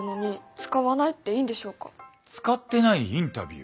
使ってないインタビュー？